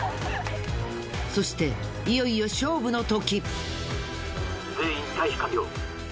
そしていよいよ勝負の時。